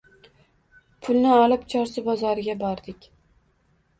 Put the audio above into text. Pulni olib Chorsu bozoriga bordik.